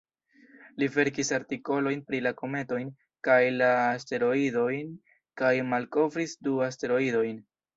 Li verkis artikolojn pri la kometojn kaj la asteroidojn kaj malkovris du asteroidojn.